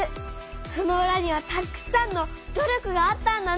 そのうらにはたくさんの努力があったんだね！